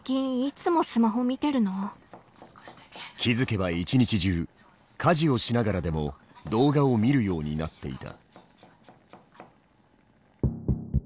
気付けば一日中家事をしながらでも動画を見るようになっていた。